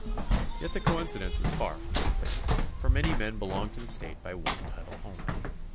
Yet the coincidence is far from complete, for many men belong to the state by one title only.